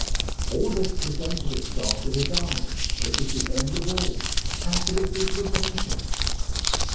All this presented itself to his eyes. It was the end of all. How could it be prevented?